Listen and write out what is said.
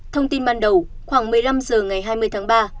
thông tin ban đầu khoảng một mươi năm h ngày hai mươi tháng ba